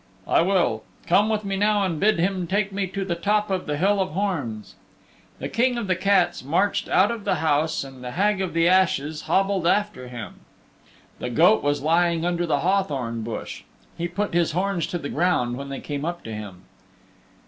"I will. Come with me now and bid him take me to the top of the Hill of Horns." The King of the Cats marched out of the house and the Hag of the Ashes hobbled after him. The goat was lying under the hawthorn bush. He put his horns to the ground when they came up to him.